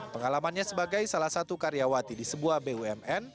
pengalamannya sebagai salah satu karyawati di sebuah bumn